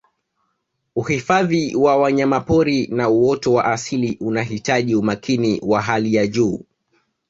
Uhifadhi wa wanyapori na uoto wa asili unahitaji umakini wa hali ya juu